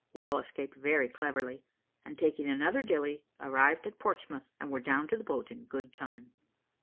We all escaped very cleverly, and taking another dilly, arrived at Portsmouth, and were down to the boat in good time.